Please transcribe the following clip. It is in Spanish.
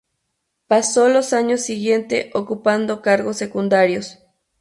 Pasó los años siguiente ocupando cargos secundarios.